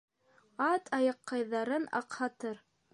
Ат аяҡҡайҙарын аҡһатыр.